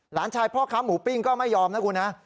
หลานชายพ่อค้าหมูปิ้งก็ไม่ยอมนะคุณฮะ